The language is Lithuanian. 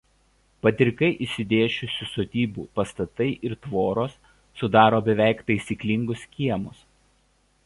Padrikai išsidėsčiusių sodybų pastatai ir tvoros sudaro beveik taisyklingus kiemus.